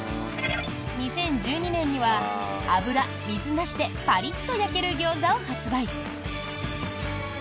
２０１２年には油・水なしでパリッと焼けるギョーザを発売。